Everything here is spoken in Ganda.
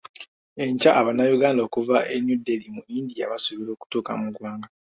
Enkya Abannayuganda okuva e New Dehli mu India basuubirwa okuttuka mu ggwanga.